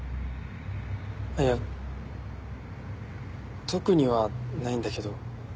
いや特にはないんだけど。